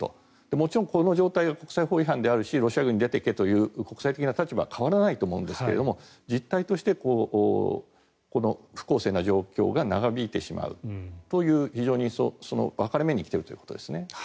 もちろんこの状態は国際法違反であるしロシア軍に出て行けという国際的な立場は変わらないと思いますが実態として不公正な状況が長引いてしまうという非常に分かれ目に来ているということです。